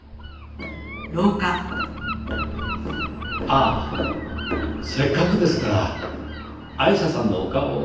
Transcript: ああせっかくですからアイシャさんのお顔を。